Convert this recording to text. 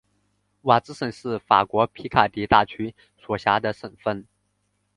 瓦兹省是法国皮卡迪大区所辖的省份。